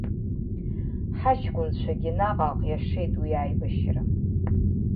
Ҳаҷкәынцәагьы наҟ-ааҟ иашеит уи аибашьра.